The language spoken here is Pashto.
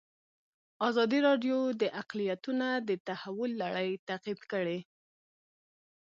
ازادي راډیو د اقلیتونه د تحول لړۍ تعقیب کړې.